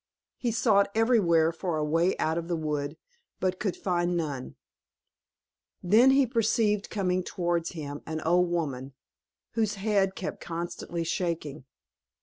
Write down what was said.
He sought everywhere for a way out of the wood, but could find none. Then he perceived coming towards him an old woman, whose head kept constantly shaking.